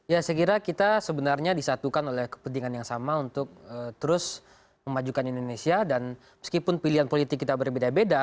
ya saya kira kita sebenarnya disatukan oleh kepentingan yang sama untuk terus memajukan indonesia dan meskipun pilihan politik kita berbeda beda